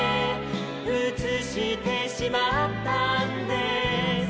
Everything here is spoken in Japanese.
「うつしてしまったんですルル」